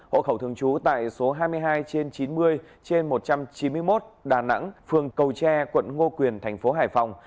hộ khẩu thường chú tại số hai mươi hai trên chín mươi trên một trăm chín mươi một đà nẵng phường cầu tre quận ngô quyền tp hải phòng